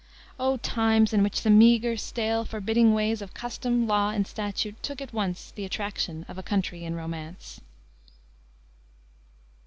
Oh times In which the meager, stale, forbidding ways Of custom, law, and statute took at once The attraction of a country in romance."